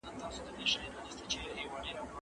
موږ باید د پیغمبر امرونه ومنو.